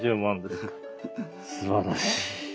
すばらしい。